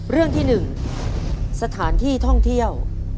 เรื่องที่๑สถานที่ท่องเที่ยว